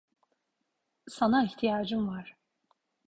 Sana ihtiyacım var.